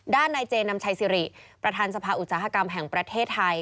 นายเจนำชัยสิริประธานสภาอุตสาหกรรมแห่งประเทศไทย